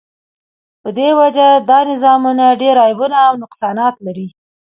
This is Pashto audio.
په دی وجه دا نظامونه ډیر عیبونه او نقصانات لری